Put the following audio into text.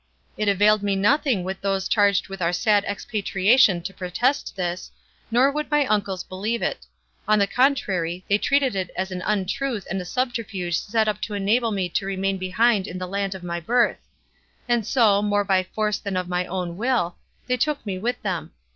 It availed me nothing with those charged with our sad expatriation to protest this, nor would my uncles believe it; on the contrary, they treated it as an untruth and a subterfuge set up to enable me to remain behind in the land of my birth; and so, more by force than of my own will, they took me with them.